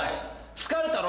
疲れたろ？